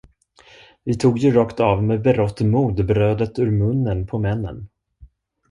Vi tog ju rakt av med berått mod brödet ur munnen på männen.